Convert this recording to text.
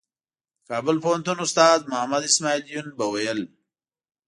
د کابل پوهنتون استاد محمد اسمعیل یون به ویل.